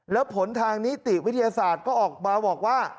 แล้วผลทางนิติวิทยาศาสตร์ก็ออกมาบอกว่า